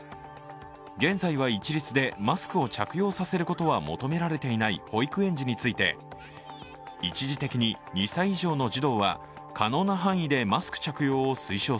現在は一律でマスクを着用させることは求められていない保育園児について一時的に２歳以上の児童は